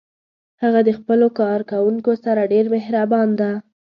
هغه د خپلو کارکوونکو سره ډیر مهربان ده